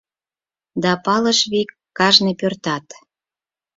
Да палыш вик кажне пӧртат.